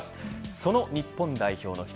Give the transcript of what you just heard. その日本代表の１人